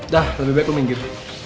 dah lebih baik aku minggir